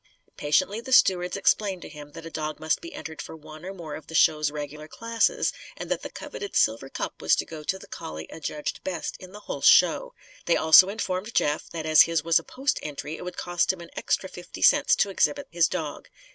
Patiently the stewards explained to him that a dog must be entered for one or more of the show's regular classes, and that the coveted silver cup was to go to the collie adjudged best in the whole show. They also informed Jeff that as his was a post entry, it would cost him an extra fifty cents to exhibit his dog.